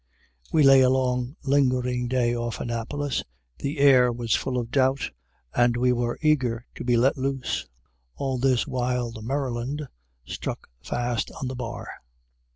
We lay a long, lingering day, off Annapolis. The air was full of doubt, and we were eager to be let loose. All this while the "Maryland" stuck fast on the bar.